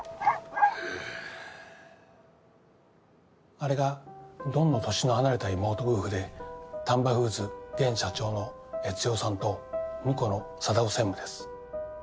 あれがドンの年の離れた妹夫婦で丹波フーズ現社長の悦代さんと婿の貞雄専務です。